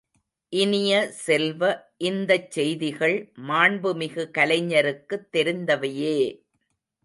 இனிய செல்வ, இந்தச் செய்திகள் மாண்புமிகு கலைஞருக்குத் தெரிந்தவையே!